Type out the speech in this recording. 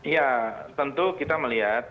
ya tentu kita melihat